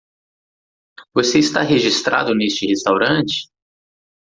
Você está registrado neste restaurante?